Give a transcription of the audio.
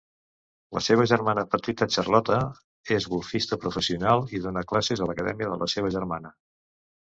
La seva germana petita Charlotta és golfista professional i dona classes a l'acadèmia de la seva germana.